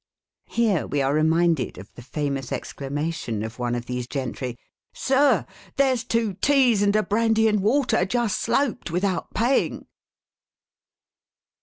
Here we are reminded of the famous excla mation of one of these gentry :— "Sir ! there's two teas and a brandy and water just sloped without paying